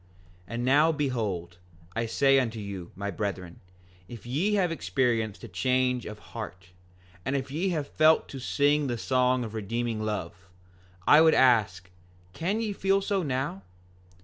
5:26 And now behold, I say unto you, my brethren, if ye have experienced a change of heart, and if ye have felt to sing the song of redeeming love, I would ask, can ye feel so now?